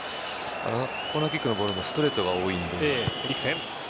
コーナーキックのボールもストレートが多いので。